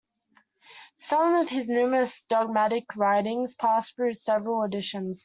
Some of his numerous dogmatic writings passed through several editions.